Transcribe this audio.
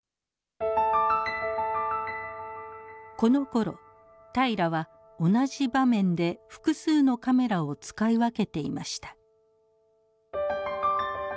このころ平良は同じ場面で複数のカメラを使い分けていました。